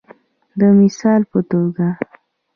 د مثال په توګه